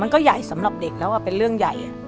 ใหญ่สำหรับเด็กแล้วเป็นเรื่องใหญ่